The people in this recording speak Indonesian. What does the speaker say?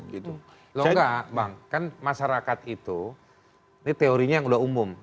kalau enggak bang kan masyarakat itu ini teorinya yang udah umum